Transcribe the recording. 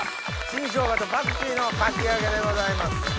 新ショウガとパクチーのかき揚げでございます。